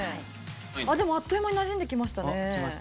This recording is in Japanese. あっでもあっという間になじんできましたね。